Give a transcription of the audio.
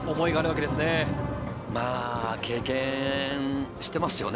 経験してますよね。